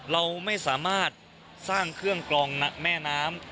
เราไม่สามารถสร้างเครื่องกรองแม่น้ำ